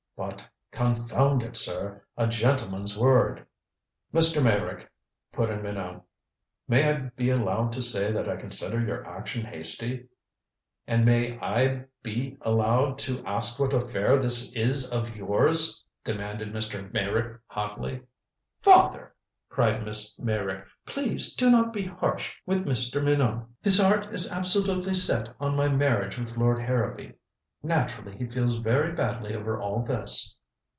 "But confound it, sir a gentleman's word " "Mr. Meyrick," put in Minot, "may I be allowed to say that I consider your action hasty " "And may I be allowed to ask what affair this is of yours?" demanded Mr. Meyrick hotly. "Father!" cried Miss Meyrick. "Please do not be harsh with Mr. Minot. His heart is absolutely set on my marriage with Lord Harrowby. Naturally he feels very badly over all this."